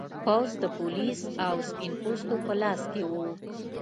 پوځ او پولیس د سپین پوستو په لاس کې و.